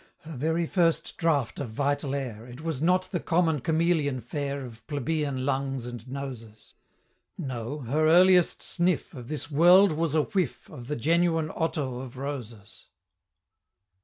Her very first draught of vital air, It was not the common chameleon fare Of plebeian lungs and noses, No her earliest sniff Of this world was a whiff Of the genuine Otto of Roses!